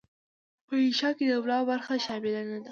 په انشأ کې د املاء برخه شامله نه ده.